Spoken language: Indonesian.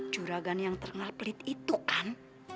juragan yang terengah pelit itu kan